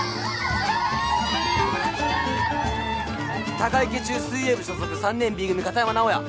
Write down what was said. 鷹池中水泳部所属３年Ｂ組片山直哉！